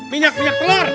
minyak minyak telur